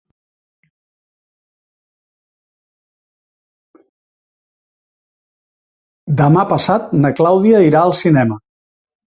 Demà passat na Clàudia irà al cinema.